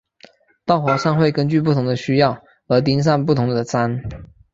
道袍上会根据不同需要而钉上不同的章。